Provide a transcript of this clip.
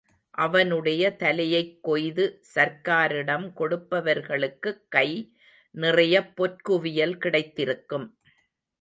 அவனுடைய தலையைக் கொய்து சர்க்காரிடம் கொடுப்பவர்களுக்குக் கை நிறையப் பொற்குவியல் கிடைத்திருக்கும்.